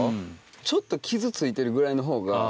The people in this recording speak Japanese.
ちょっと傷ついてるぐらいのほうが。